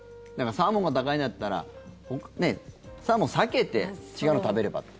サーモンが高いんだったらサーモン避けて違うのを食べればと。